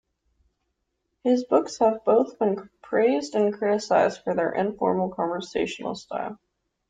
His books have been both praised and criticized for their informal, conversational style.